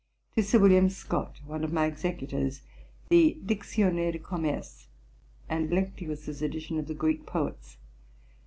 To Dr. William Scott, one of my Executors, the Dictionnaire de Commerce, and Lectius's edition of the Greek poets.